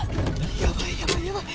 やばいやばいやばい！